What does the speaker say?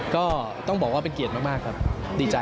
ก็ต้องบอกว่าเป็นเกียรติมากครับดีใจ